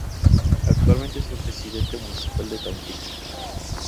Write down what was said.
Actualmente es Presidente Municipal de Tampico.